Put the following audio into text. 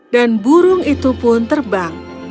dan burung itu pun terbang